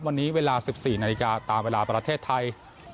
วันนี้เวลา๑๔นาฬิกาตามเวลาประเทศไทย